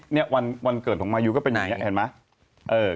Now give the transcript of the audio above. เนี่ยวันเกิดของมายูก็เป็นอย่างนี้เห็นไหม